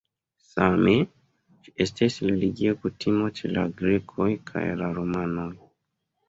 Same, ĝi estis religio kutimo ĉe la grekoj kaj la romanoj.